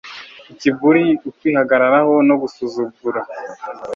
ikiburi, ukwihagararaho no gusuzugura